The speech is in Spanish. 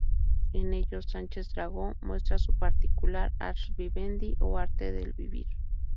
En ellos, Sánchez Dragó muestra su particular "ars vivendi" o arte de vivir.